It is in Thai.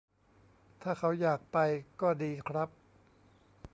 ถ้าเขาอยากไปก็ดีครับ